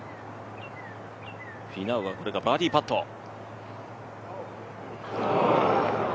フィナウ、バーディーパット。